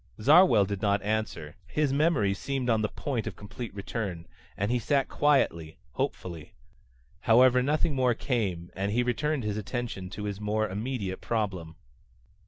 Zarwell did not answer. His memory seemed on the point of complete return, and he sat quietly, hopefully. However, nothing more came and he returned his attention to his more immediate problem.